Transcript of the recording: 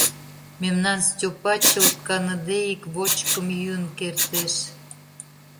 — Мемнан Степа чылт каныде ик вочкым йӱын кертеш.